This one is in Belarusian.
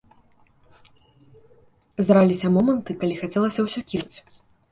Здараліся моманты, калі хацелася ўсё кінуць?